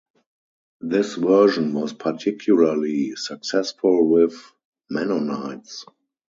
This version was particularly successful with Mennonites.